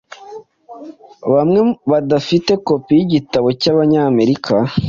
bamwe badafite kopi yigitabo cyabanyamerika